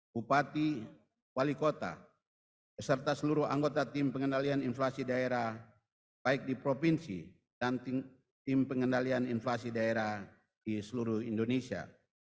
bupati wali kota beserta seluruh anggota tim pengendalian inflasi daerah baik di provinsi dan tim pengendalian inflasi daerah di seluruh indonesia